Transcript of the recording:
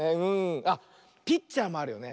あっピッチャーもあるよね。